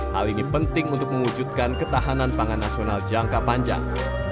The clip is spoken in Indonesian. hal ini penting untuk mewujudkan ketahanan pangan nasional jangka panjang